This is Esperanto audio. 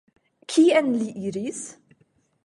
Kien li iris?